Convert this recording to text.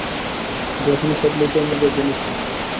সেখানে সব নিজের নিজের জিনিসপত্র।